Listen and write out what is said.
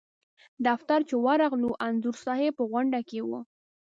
دفتر چې ورغلو انځور صاحب په غونډه کې و.